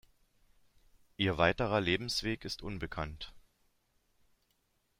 Ihr weiterer Lebensweg ist unbekannt.